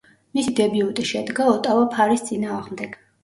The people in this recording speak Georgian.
მისი დებიუტი შედგა „ოტავა ფარის“ წინააღმდეგ.